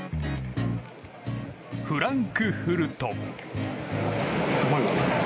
フランクフルト。